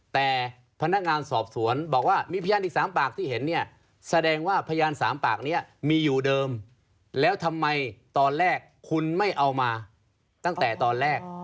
แต่พนักงานสอบสวนบอกว่ามีพยานอีก๓ปากที่เห็นเนี่ยแสดงว่าพยาน๓ปากนี้มีอยู่เดิมแล้วทำไมตอนแรกคุณไม่เอามาตั้งแต่ตอนแรก